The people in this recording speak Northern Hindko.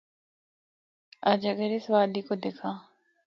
اَجّ اگر اس وادی کو دِکھّاں۔